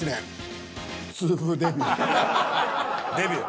俺デビュー。